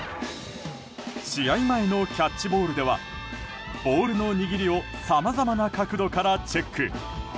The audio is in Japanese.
試合前のキャッチボールではボールの握りをさまざまな角度からチェック。